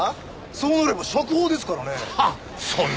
そうなれば釈放ですからね。